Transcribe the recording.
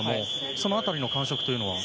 その辺りの感触というのは？